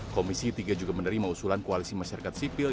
komisi tiga juga menerima usulan koalisi masyarakat sipil